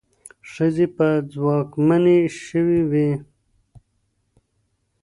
ښځې به ځواکمنې شوې وي.